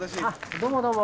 どうもどうも。